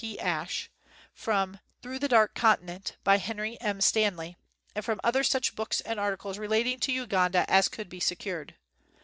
P. Ashe, from Through the Dark Continent, by Henry M. Stanley, and from such other books and articles relating to Uganda as could be secured.